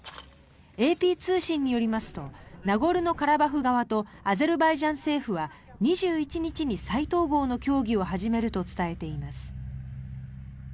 ＡＰ通信によりますとナゴルノカラバフ側とアゼルバイジャン政府は２１日に再統合の協議を始めると伝えています。